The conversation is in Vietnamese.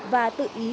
và tự ý